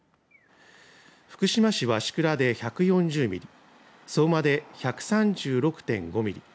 福島市鷲倉で１４０ミリ相馬で１３６．５ミリ